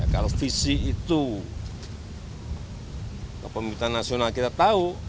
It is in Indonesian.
kalau visi itu kepemimpinan nasional kita tahu